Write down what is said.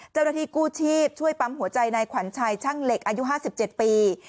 เจ้าหน้าที่กู้ชีพช่วยปั๊มหัวใจนายขวัญชัยช่างเหล็กอายุ๕๗ปี